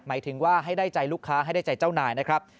หมายถึงว่าให้ได้ใจลูกค้าให้ได้ใจเจ้านายนะครับ